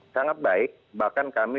sangat baik bahkan kami